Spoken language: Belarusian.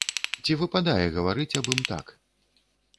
Ці выпадае гаварыць аб ім так?